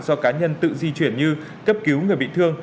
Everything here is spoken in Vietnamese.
do cá nhân tự di chuyển như cấp cứu người bị thương